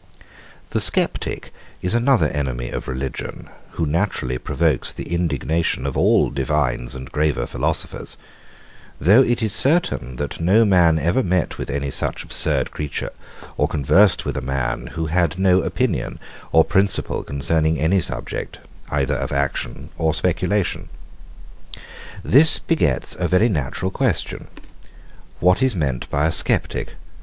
The Sceptic is another enemy of religion, who naturally provokes the indignation of all divines and graver philosophers; though it is certain, that no man ever met with any such absurd creature, or conversed with a man, who had no opinion or principle concerning any subject, either of action or speculation. This begets a very natural question; What is meant by a sceptic?